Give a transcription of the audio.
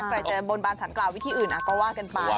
ใกล้เจอบนบานสังกราววิธีอื่นก็ว่ากันไป